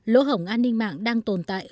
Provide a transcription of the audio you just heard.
lỗ hổng an ninh mạng đang tồn tại